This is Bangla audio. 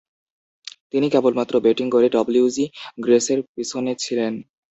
তিনি কেবলমাত্র ব্যাটিং গড়ে ডব্লিউজি গ্রেসের পিছনে ছিলেন।